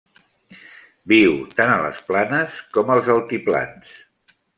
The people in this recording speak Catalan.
Viu tant a les planes com als altiplans.